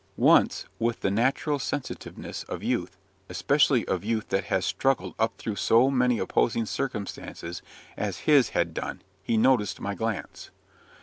Once, with the natural sensitiveness of youth, especially of youth that has struggled up through so many opposing circumstances as his had done, he noticed my glance.